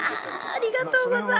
ありがとうございます。